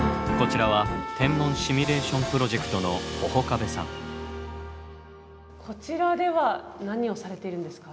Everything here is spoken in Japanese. こちらはこちらでは何をされているんですか？